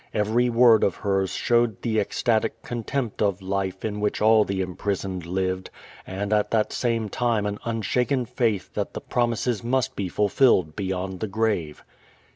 Every v.ord of hers showed the ecstatic contempt of life in which all the imprisoned lived, and at the same time an unshaken faith that the promises must be fulfilled beyond the grave.